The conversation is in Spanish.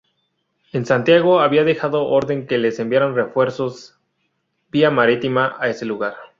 En Santiago había dejado orden que les enviaran refuerzos, vía marítima, a ese lugar.